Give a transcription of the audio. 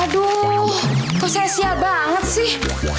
aduh kok saya siap banget sih